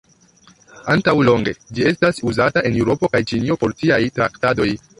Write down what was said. Antaŭ longe ĝi estas uzata en Eŭropo kaj Ĉinio por tiaj traktadoj.